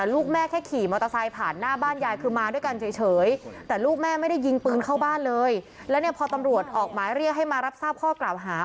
แล้วเนี่ยพอตำรวจออกหมายเรียนให้มารับทราบข้อกล่าวหา